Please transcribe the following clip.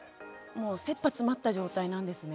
もう、せっぱ詰まった状態なんですね。